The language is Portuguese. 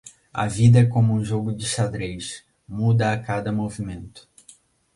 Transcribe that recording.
A vida é como um jogo de xadrez, muda a cada movimento.